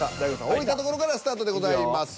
置いたところからスタートでございます。